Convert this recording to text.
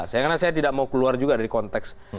sayangnya saya tidak mau keluar juga dari konteks